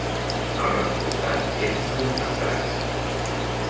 El resultat és un concentrat.